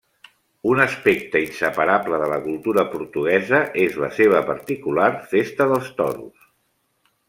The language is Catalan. Un aspecte inseparable de la cultura portuguesa és la seva particular Festa dels toros.